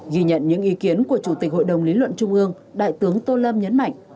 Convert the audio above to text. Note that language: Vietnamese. ghi nhận những ý kiến của chủ tịch hội đồng lý luận trung ương đại tướng tô lâm nhấn mạnh